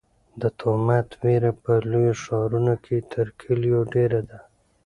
د تومت وېره په لویو ښارونو کې تر کلیو ډېره ده.